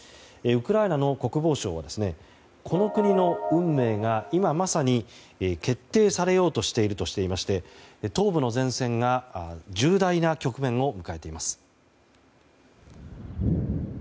ウクライナの国防省はこの国の運命が今まさに決定されようとしているとしていまして東部の前線が重大な局面を迎えています。